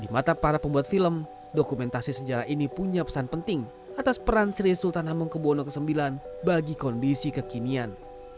membuat film dokumentasi sejarah ini punya pesan penting atas peran sri sultan hamelubono ix bagi kondisi kekinian